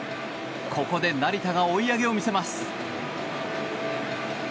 ここで成田が追い上げを見せます。